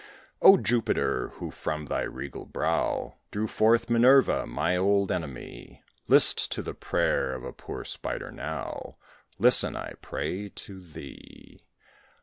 "O Jupiter! who from thy regal brow Drew forth Minerva, my old enemy, List to the prayer of a poor Spider now; Listen, I pray to thee.